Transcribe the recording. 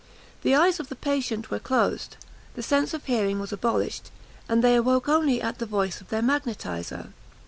The eyes of the patients were closed, the sense of hearing was abolished; and they awoke only at the voice of their magnetiser.